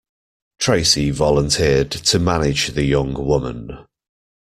Tracey volunteered to manage the young woman.